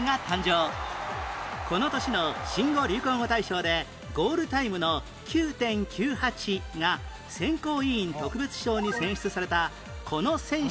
この年の新語・流行語大賞でゴールタイムの「９．９８」が選考委員特別賞に選出されたこの選手の名前は？